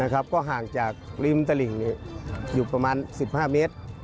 ก็ห่างจากริมตลิ่งอยู่ประมาณ๑๕เมตร